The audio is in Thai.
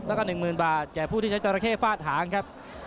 แล้วก็๑๐๐๐บาทแก่ผู้ที่ใช้จราเข้ฟาดหางครับ